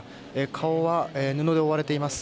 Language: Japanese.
顔は布で覆われています。